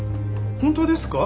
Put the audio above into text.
本当ですか？